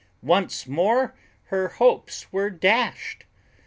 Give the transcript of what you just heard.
Once more her hopes were dashed!